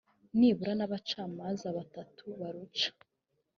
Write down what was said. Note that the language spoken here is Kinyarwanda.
nibura n abacamanza batanu baruca